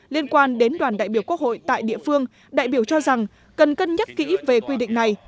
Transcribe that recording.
liên quan đến đoàn đại biểu quốc hội tại địa phương đại biểu cho rằng cần cân nhắc kỹ về quy định này